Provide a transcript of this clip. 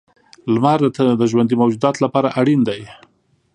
• لمر د ژوندي موجوداتو لپاره اړینه دی.